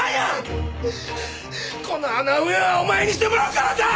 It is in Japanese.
この穴埋めはお前にしてもらうからな！